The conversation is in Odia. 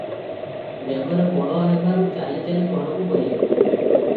ଦେହରେ ବଳ ହେବାରୁ ଚାଲି ଚାଲି ଘରକୁ ଗଲି ।